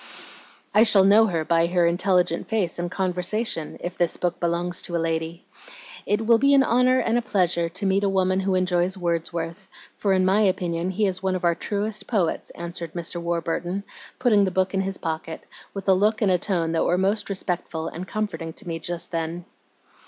"'I shall know her by her intelligent face and conversation, if this book belongs to a lady. It will be an honor and a pleasure to meet a woman who enjoys Wordsworth, for in my opinion he is one of our truest poets,' answered Mr. Warburton, putting the book in his pocket, with a look and a tone that were most respectful and comforting to me just then.